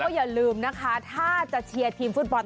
อย่าลืมนะคะถ้าจะเชียร์ทีมฟุตบอล